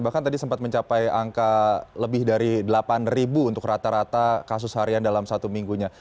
bahkan tadi sempat mencapai angka lebih dari delapan ribu untuk rata rata kasus harian dalam satu minggunya